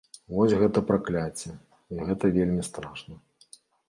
Вось гэта пракляцце, і гэта вельмі страшна.